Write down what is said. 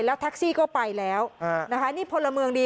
แล้วแท็กซี่ก็ไปแล้วนะคะนี่พลเมืองดี